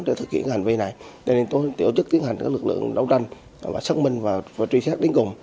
để thực hiện hành vi này tổ chức tiến hành các lực lượng đấu tranh xác minh và truy xét đến cùng